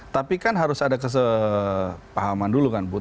tapi kan harus ada kesepahaman dulu kan bu